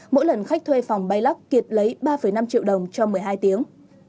mỗi lần khách thuê phòng bay lắc kiệt lấy ba năm triệu đồng cho một mươi hai tiếng